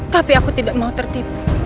tapi aku tidak mau tertipu